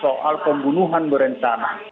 soal pembunuhan berencana